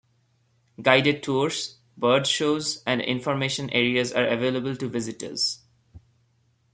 Guided tours, bird shows and information areas are available to visitors.